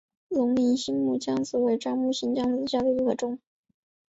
龙陵新木姜子为樟科新木姜子属下的一个种。